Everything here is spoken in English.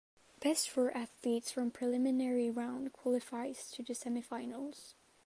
Best four athletes from preliminary round qualifies to the semifinals.